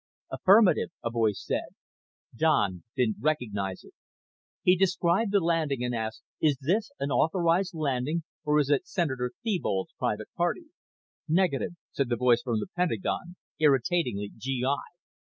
"Affirmative," a voice said. Don didn't recognize it. He described the landing and asked, "Is this an authorized landing or is it Senator Thebold's private party?" "Negative," said the voice from the Pentagon, irritatingly GI.